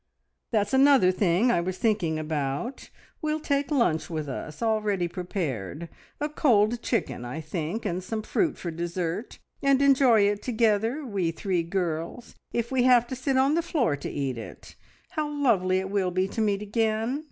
That's another thing I was thinking about. We'll take lunch with us all ready prepared a cold chicken, I think, and some fruit for dessert, and enjoy it together, we three girls, if we have to sit on the floor to eat it. How lovely it will be to meet again!